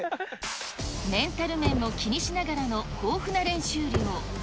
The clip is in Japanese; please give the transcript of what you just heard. メンタル面を気にしながらの豊富な練習量。